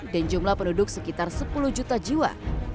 jumlah penduduk sekitar sepuluh juta jiwa